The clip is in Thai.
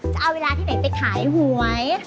จะเอาเวลาที่ไหนไปขายหวย